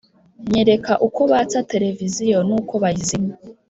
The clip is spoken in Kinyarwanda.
- nyereka uko batsa tereviziyo n‟uko bayizimya.